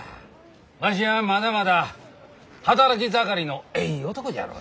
わしはまだまだ働き盛りのえい男じゃろうが。